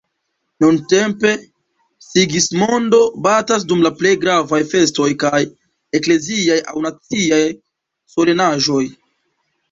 Nuntempe "Sigismondo" batas dum la plej gravaj festoj kaj ekleziaj aŭ naciaj solenaĵoj.